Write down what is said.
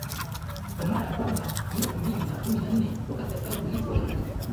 kwa mara kwanzaMwelfu mbili na kumi na nne wakati askari polisi wa Jamhuri